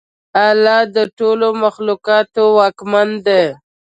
الله د ټولو مخلوقاتو واکمن دی.